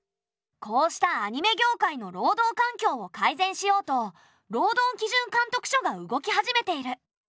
こうしたアニメ業界の労働環境を改善しようと労働基準監督署が動き始めている。